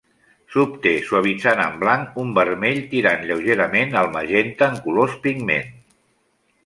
S'obté suavitzant amb blanc un vermell tirant lleugerament al magenta en colors pigment.